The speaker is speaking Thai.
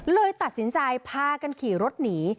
เลยตัดสินใจพากันขี่รถหนี